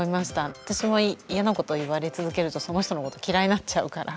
私も嫌なこと言われ続けるとその人のこと嫌いになっちゃうから。